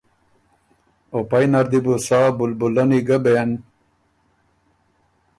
او پئ نر دی بو سا بُلبُلنی ګه بېن